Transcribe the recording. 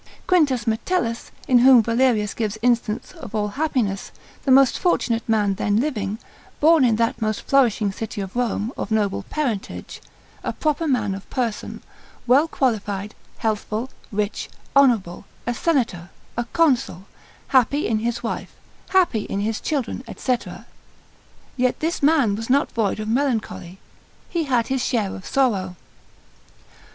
Q. Metellus, in whom Valerius gives instance of all happiness, the most fortunate man then living, born in that most flourishing city of Rome, of noble parentage, a proper man of person, well qualified, healthful, rich, honourable, a senator, a consul, happy in his wife, happy in his children, &c. yet this man was not void of melancholy, he had his share of sorrow.